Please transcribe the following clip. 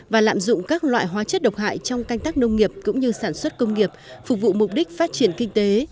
và lạm dụng các loại hóa chất độc hại trong canh tác nông nghiệp cũng như sản xuất công nghiệp phục vụ mục đích phát triển kinh tế